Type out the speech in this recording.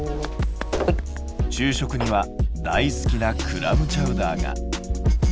昼食には大好きなクラムチャウダーが。